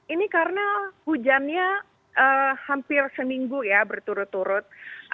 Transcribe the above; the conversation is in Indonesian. ini karena hujannya hampir seminggu ya berturut turut